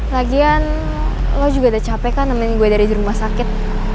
lagian lo juga udah capek kan namanya gue dari rumah sakit